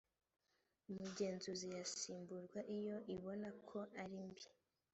umugenzuzi yasimburwa iyo ibona ko ari mbi